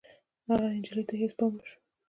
د هغه نجلۍ ته هېڅ پام نه شو.